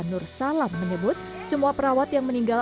nur salam menyebut semua perawat yang meninggal